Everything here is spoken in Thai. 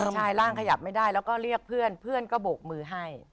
ใช่ร่างขยับไม่ได้แล้วก็เรียกเพื่อนเพื่อนก็โบกมือให้